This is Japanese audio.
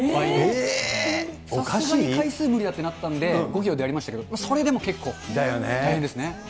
さすがに回数無理だってなって、５キロでやりましたけど、それでも結構、大変ですね。